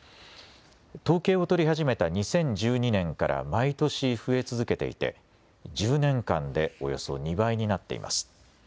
統計を取り始めた２０１２年から毎年、増え続けていて１０年間でおよそ２倍になっています。